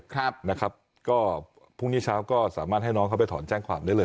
ครับนะครับก็พรุ่งนี้เช้าก็สามารถให้น้องเขาไปถอนแจ้งความได้เลย